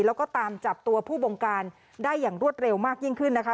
แล้วก็ตามจับตัวผู้บงการได้อย่างรวดเร็วมากยิ่งขึ้นนะคะ